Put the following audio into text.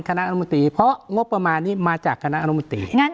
คณะรัฐมนตรีเพราะงบประมาณนี้มาจากคณะอนุมนตรี